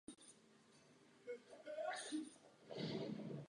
To bude první velká zkouška.